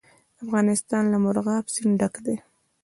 افغانستان له مورغاب سیند ډک دی.